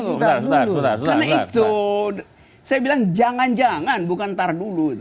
karena itu saya bilang jangan jangan bukan ntar dulu